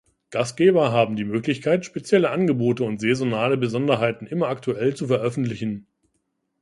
Gastgeber haben die Möglichkeit, spezielle Angebote und saisonale Besonderheiten immer aktuell zu veröffentlichen.